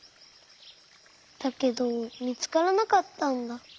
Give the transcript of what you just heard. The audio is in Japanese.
だけどみつからなかったんだ。